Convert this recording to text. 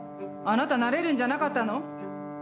あなたなれるんじゃなかったの？